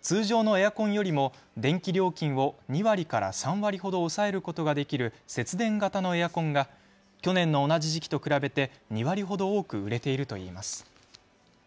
通常のエアコンよりも電気料金を２割から３割ほど抑えることができる節電型のエアコンが去年の同じ時期と比べて２割ほど多く売れているといいます。